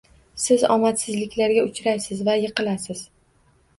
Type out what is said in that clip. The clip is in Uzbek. Siz omadsizliklarga uchraysiz va yiqilasiz.